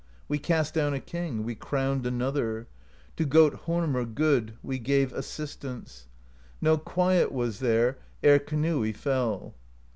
| 'We cast down a king, j We crowned another; To Gotthormr good We gave assistance; No quiet was there Ere Kntii fell.